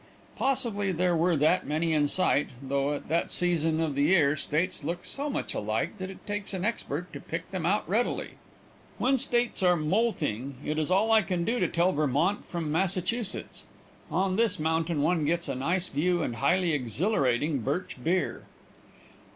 Possibly there were that many in sight, though at that season of the year states look so much alike that it takes an expert to pick them out readily. When states are moulting, it is all I can do to tell Vermont from Massachusetts. On this mountain one gets a nice view and highly exhilarating birch beer.